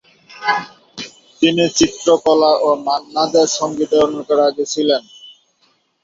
তিনি চিত্রকলা ও মান্না দের সংগীতের অনুরাগী ছিলেন।